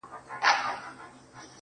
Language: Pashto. خو چي تر کومه به تور سترگي مینه واله یې.